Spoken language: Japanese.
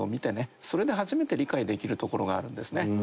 それで初めて理解できるところがあるんですね。